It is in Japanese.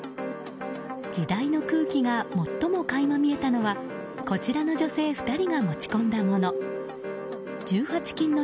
時代の空気が最も垣間見えたのはこちらの女性２人が持ち込んだもの。